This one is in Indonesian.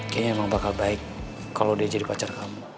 kayaknya emang bakal baik kalau dia jadi pacar kamu